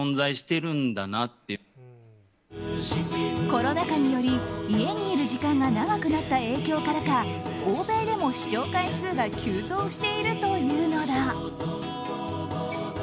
コロナ禍により家にいる時間が長くなった影響からか欧米でも視聴回数が急増しているというのだ。